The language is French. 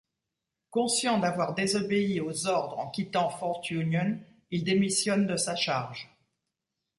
Conscient d'avoir désobéi aux ordres en quittant Fort Union, il démissionné de sa charge.